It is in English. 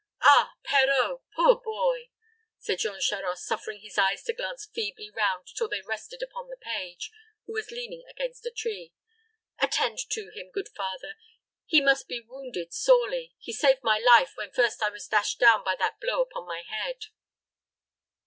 "Ah, Perot; poor boy!" said Jean Charost, suffering his eyes to glance feebly round till they rested upon the page, who was leaning against a tree. "Attend to him, good father. He must be wounded sorely. He saved my life when first I was dashed down by that blow upon my head."